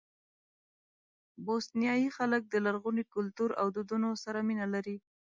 بوسنیایي خلک د لرغوني کلتور او دودونو سره مینه لري.